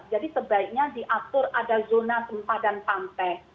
jadi sebaiknya diatur ada zona tempat dan pantai